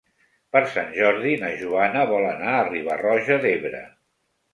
Per Sant Jordi na Joana vol anar a Riba-roja d'Ebre.